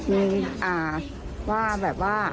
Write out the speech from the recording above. มีว่าแบบว่า